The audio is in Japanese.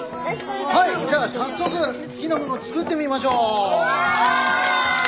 はいじゃあ早速好きなもの作ってみましょう。